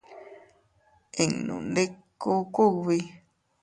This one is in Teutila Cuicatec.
Innu ndiku kugbi.